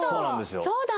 そうだ！